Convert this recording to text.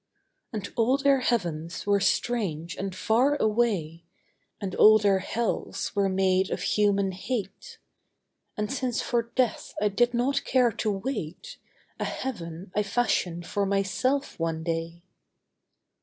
And all their heavens were strange and far away, And all their hells were made of human hate; And since for death I did not care to wait, A heaven I fashioned for myself one day.